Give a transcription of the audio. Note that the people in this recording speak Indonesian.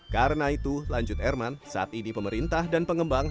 karena itu lanjut erman saat ini pemerintah dan pengembang